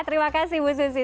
terima kasih bu susi